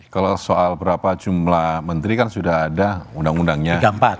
kalau soal berapa jumlah menteri kan sudah ada undang undangnya